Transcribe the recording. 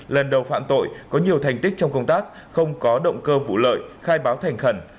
lần đầu phạm tội có nhiều thành tích trong công tác không có động cơ vụ lợi khai báo thành khẩn